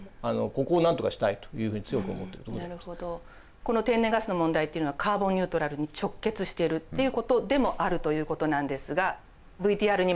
この天然ガスの問題っていうのはカーボンニュートラルに直結してるっていうことでもあるということなんですがＶＴＲにまとめてあります。